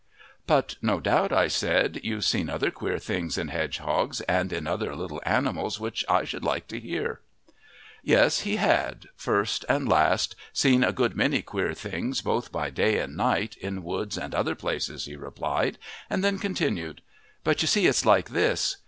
"But no doubt," I said, "you've seen other queer things in hedgehogs and in other little animals which I should like to hear." Yes, he had, first and last, seen a good many queer things both by day and night, in woods and other places, he replied, and then continued: "But you see it's like this.